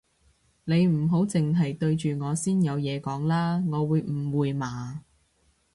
你唔好剩係對住我先有嘢講啦，我會誤會嘛